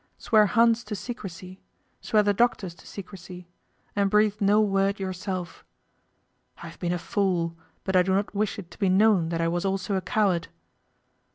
Swear Hans to secrecy; swear the doctors to secrecy; and breathe no word yourself. I have been a fool, but I do not wish it to be known that I was also a coward.